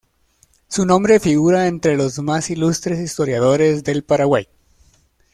Su nombre figura entre los más ilustres historiadores del Paraguay.